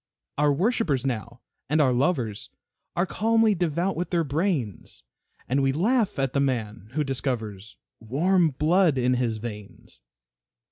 Our worshipers now and our lovers Are calmly devout with their brains, And we laugh at the man who discovers Warm blood in his veins.